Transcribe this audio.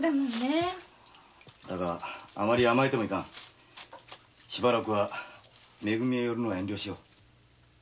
あまり甘えてもいかんしばらくめ組へ寄るのは遠慮しよう。